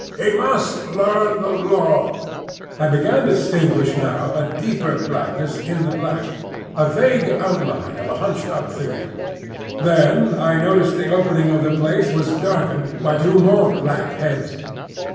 He must learn the Law." I began to distinguish now a deeper blackness in the black, a vague outline of a hunched up figure. Then I noticed the opening of the place was darkened by two more black heads.